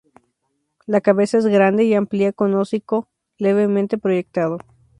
La cabeza es grande y amplia con un hocico levemente proyectado.